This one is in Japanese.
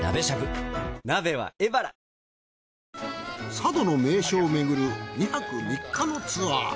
佐渡の名所をめぐる２泊３日のツアー。